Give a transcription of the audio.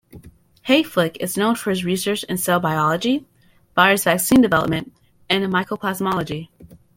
Hayflick is known for his research in cell biology, virus vaccine development, and mycoplasmology.